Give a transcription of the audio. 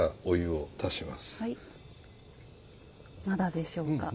まだでしょうか？